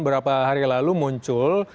berapa hari lalu muncul